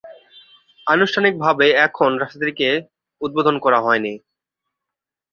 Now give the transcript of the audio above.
আনুষ্ঠানিক ভাবে এখনও রাস্তাটিকে উদ্বোধন করা হয়নি।